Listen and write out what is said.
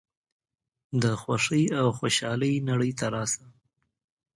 د خوښۍ او خوشحالۍ نړۍ ته راشه.